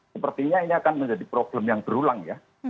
sepertinya ini akan menjadi problem yang berulang ya